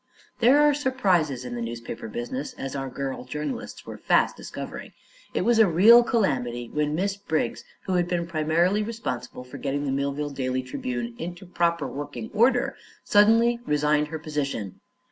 There are surprises in the newspaper business, as our girl journalists were fast discovering. It was a real calamity when Miss Briggs, who had been primarily responsible for getting the Millville Daily Tribune into proper working order, suddenly resigned her position.